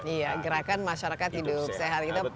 iya gerakan masyarakat hidup sehat